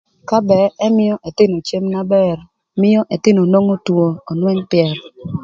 Ka ba ëmïö ëthïnö cem na bër mïö ëthïnö nwongo önwëng pyër